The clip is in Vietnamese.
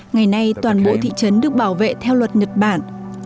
ngày nay toàn bộ thị trấn được bảo vệ theo luật nhật bản